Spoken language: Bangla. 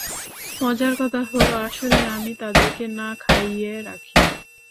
মজার কথা হলঃ আসলে আমি তাদেরকে না খাইয়ে রাখি।